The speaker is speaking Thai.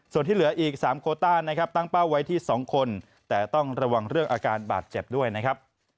ส่วนที่เหลืออีก๓โคต้านะครับตั้งเป้าไว้ที่๒คนแต่ต้องระวังเรื่องอาการบาดเจ็บด้วยนะครับ